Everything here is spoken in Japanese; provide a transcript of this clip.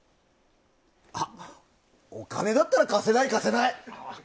あ、お金だったら貸せない、貸せない。